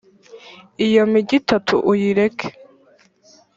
iyo migi itatu uyireke